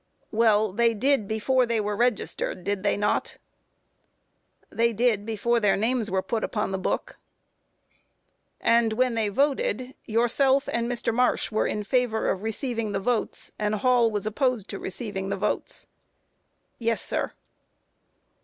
Q. Well, they did before they were registered, did they not? A. They did before their names were put upon the book. Q. And when they voted, yourself and Mr. Marsh were in favor of receiving the votes, and Hall was opposed to receiving the votes? A. Yes, sir.